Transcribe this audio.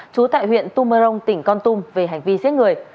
chú tại huyện tummerong tỉnh con tum về hành vi giết người